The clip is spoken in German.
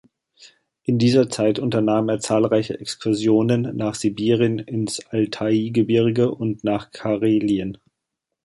In dieser Zeit unternahm er zahlreiche Exkursionen nach Sibirien, ins Altaigebirge und nach Karelien.